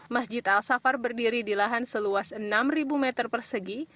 masjid al safar berdiri di lahan seluas enam meter persegi